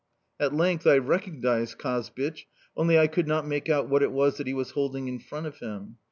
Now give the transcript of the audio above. At length I recognised Kazbich, only I could not make out what it was that he was holding in front of him.